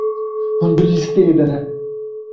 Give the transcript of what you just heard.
Hûn di lîsteyê de ne.